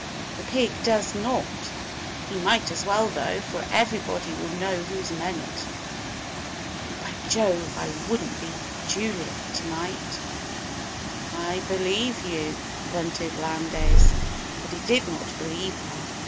"The pig does not. He might as well, though, for everybody will know who's meant. By Jove, I wouldn't be Juliet to night!" "I believe you!" grunted Lowndes. But he did not believe her.